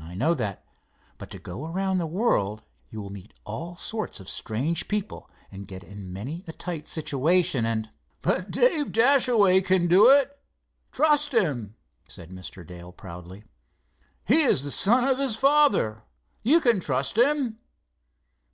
"I know that. But to go around the world. You will meet all sort of strange people and get in many a tight situation, and——" "But Dave Dashaway can do it, trust him," said Mr. Dale, proudly. "He is the son of his father—you can trust him."